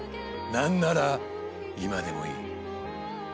なんなら今でもいい。